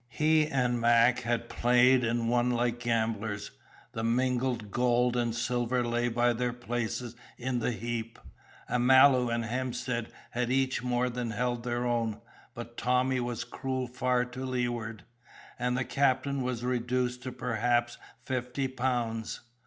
He and Mac had played and won like gamblers; the mingled gold and silver lay by their places in the heap. Amalu and Hemstead had each more than held their own, but Tommy was cruel far to leeward, and the captain was reduced to perhaps fifty pounds.